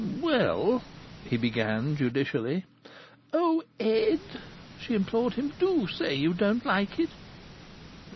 "Well " he began judicially. "Oh! Ed!" she implored him. "Do say you don't like it!"